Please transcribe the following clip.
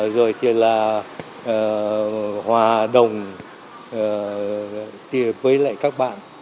rồi thì là hòa đồng với lại các bạn